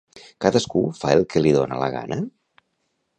Cadascú fa el que li dona la gana?